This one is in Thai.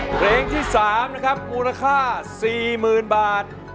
เพลงที่๓นะครับมูลค่า๔๐๐๐บาท